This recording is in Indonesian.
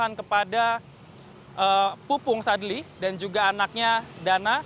yang kepada pupung sadli dan juga anaknya dana